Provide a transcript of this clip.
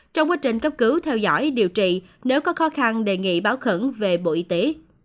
trong quá trình cấp cứu theo dõi điều trị nếu có khó khăn đề nghị báo khẩn về bộ y tế